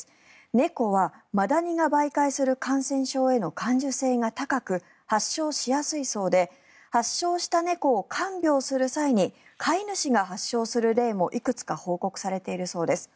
猫はマダニが媒介する感染症への感受性が高く発症しやすいそうで発症した猫を看病する際に飼い主が発症する例も、いくつか報告されているそうです。